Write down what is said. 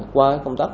qua công tác